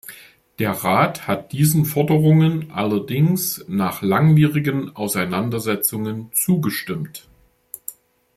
Der Rat hat diesen Forderungen allerdings nach langwierigen Auseinandersetzungen zugestimmt.